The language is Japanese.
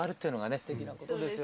すてきなことですよね。